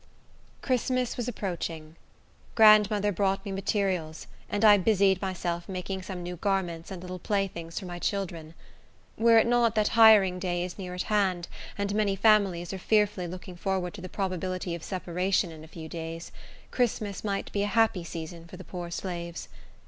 Christmas was approaching. Grandmother brought me materials, and I busied myself making some new garments and little playthings for my children. Were it not that hiring day is near at hand, and many families are fearfully looking forward to the probability of separation in a few days, Christmas might be a happy season for the poor slaves.